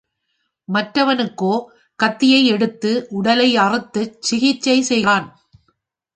மற்றவனுக்கோ கத்தியை எடுத்து உடலை அறுத்துச் சிகிச்சை செய்கிறான்.